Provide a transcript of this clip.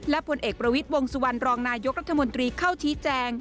และผลเอกประวิทย์วงสุวรรณรองนายกรัฐมนตรีเข้าชี้แจง